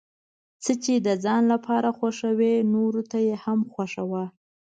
څه چې د ځان لپاره خوښوې نورو ته یې هم خوښوه.